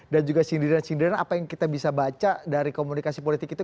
dan juga sindiran sindiran apa yang kita bisa baca dari komunikasi politik itu